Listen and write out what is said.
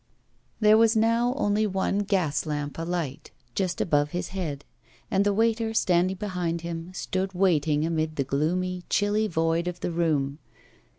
There was now only one gas lamp alight just above his head, and the waiter standing behind him stood waiting amid the gloomy, chilly void of the room.